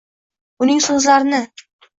uning so’zlarini